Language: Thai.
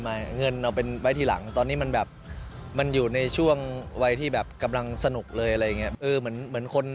เงินเอาเป็นไว้ทีหลังตอนนี้มันแบบมันอยู่ในช่วงวัยที่แบบกำลังสนุกเลยอะไรอย่างนี้